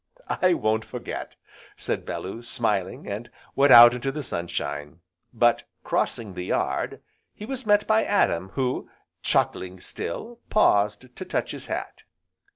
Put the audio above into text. "I won't forget," said Bellew, smiling, and went out into the sunshine. But, crossing the yard, he was met by Adam, who, chuckling still, paused to touch his hat.